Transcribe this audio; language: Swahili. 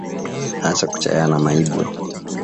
Acha kuchayana maibwe